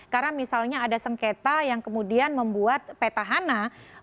karena misalnya ada sengketa yang kemudian membuat peta hana